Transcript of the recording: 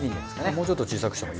もうちょっと小さくしても。